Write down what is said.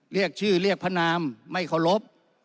เรียกชื่อเรียกพระนามไม่รับความโทษ